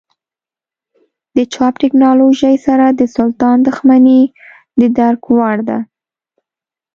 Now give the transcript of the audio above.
د چاپ ټکنالوژۍ سره د سلطان دښمني د درک وړ ده.